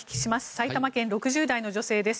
埼玉県６０代の女性です。